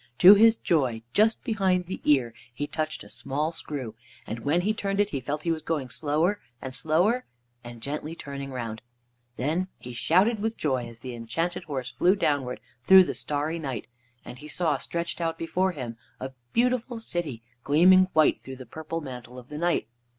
To his joy, just behind the ear. He touched a small screw, and when he turned it, he felt he was going slower and slower, and gently turning round. Then he shouted with joy as the Enchanted Horse flew downwards through the starry night, and he saw, stretched out before him, a beautiful city gleaming white through the purple mantle of the night.